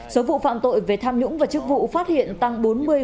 số vụ phạm tội về tham nhũng và chức vụ phát hiện tăng bốn mươi chín mươi bảy